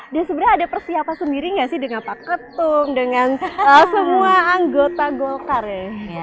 dan sebenarnya ada persiapan sendiri gak sih dengan pak ketum dengan semua anggota golkar ya